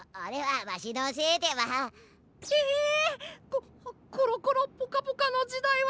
ココロコロポカポカのじだいは？